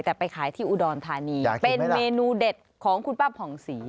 แต่ไปขายที่อุดรธานีเป็นเมนูเด็ดของคุณป้าผ่องศรี